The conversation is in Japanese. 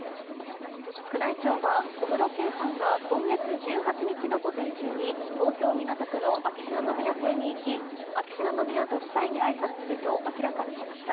宮内庁は、小室圭さんが今月１８日の午前中に東京・港区の秋篠宮邸に行き秋篠宮ご夫妻に挨拶すると明らかにしました。